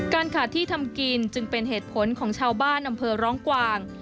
ขาดที่ทำกินจึงเป็นเหตุผลของชาวบ้านอำเภอร้องกวาง